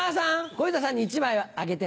小遊三さんに１枚あげて。